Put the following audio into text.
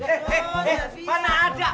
eh eh eh mana ada